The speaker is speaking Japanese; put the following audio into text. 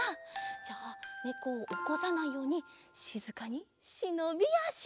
じゃあねこをおこさないようにしずかにしのびあし。